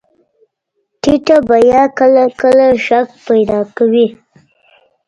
ټیټه بیه کله کله شک پیدا کوي.